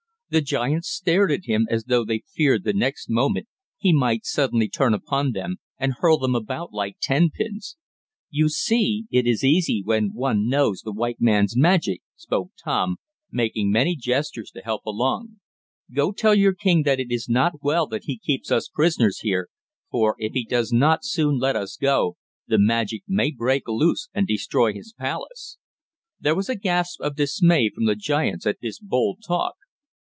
The giants stared at him as though they feared the next moment he might suddenly turn upon them and hurl them about like ten pins. "You see, it is easy when one knows the white man's magic," spoke Tom, making many gestures to help along. "Go tell your king that it is not well that he keeps us prisoners here, for if he does not soon let us go the magic may break loose and destroy his palace!" There was a gasp of dismay from the giants at this bold talk.